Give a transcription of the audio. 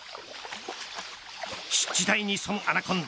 湿地帯に、そのアナコンダ